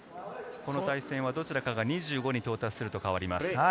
この対戦はどちらかが２５に到達すると変わります。